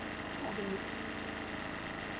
O benim.